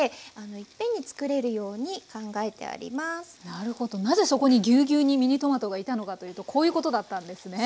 なるほどなぜそこにぎゅうぎゅうにミニトマトがいたのかというとこういうことだったんですね。